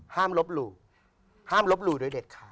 ห้ามลบหลู่โดยเด็ดค่ะ